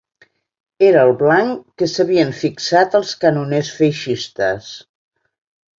Era el blanc que s'havien fixat els canoners feixistes